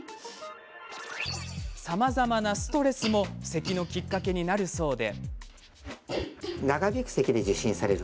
さまざまなストレスもせきのきっかけになるそうで。